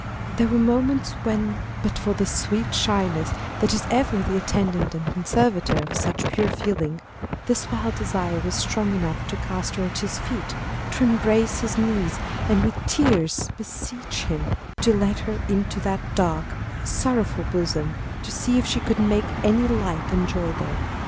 There were moments when but for the sweet shyness that is ever the attendant and conservator of such pure feeling, this wild desire was strong enough to cast her at his feet, to embrace his knees, and with tears beseech him to let her into that dark, sorrowful bosom, to see if she could make any light and joy there.